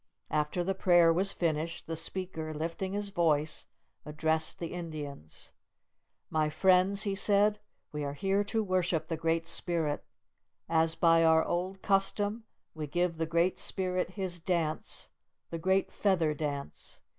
After the prayer was finished, the speaker, lifting his voice, addressed the Indians. "My friends," he said, "we are here to worship the Great Spirit. As by our old custom, we give the Great Spirit His dance, the Great Feather Dance.